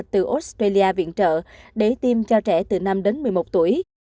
từ australia viện trợ để tiêm cho trẻ từ năm đến một mươi một tuổi